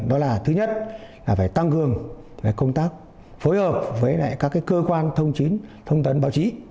đó là thứ nhất là phải tăng cường công tác phối hợp với các cơ quan thông chính thông tấn báo chí